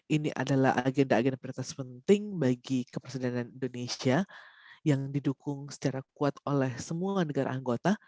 ini adalah agenda agenda prioritas penting bagi kepresidenan indonesia yang didukung secara kuat oleh semua negara anggota